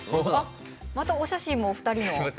またお写真もお二人の。